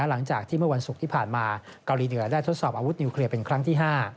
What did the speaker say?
หลังจากที่เมื่อวันศุกร์ที่ผ่านมาเกาหลีเหนือได้ทดสอบอาวุธนิวเคลียร์เป็นครั้งที่๕